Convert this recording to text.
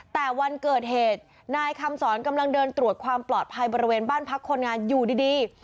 แต่วันเกิดเหตุนายคำสอนกำลังเดินตรวจความปลอดภัยบริเวณบ้านพักคนงานอยู่ดี